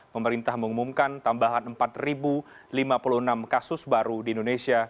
pemerintah mengumumkan tambahan empat lima puluh enam kasus baru di indonesia